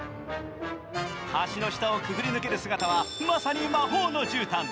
橋の下をくぐり抜ける姿は、まさ魔法のじゅうたん。